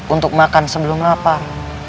untuk makan sebelum lapar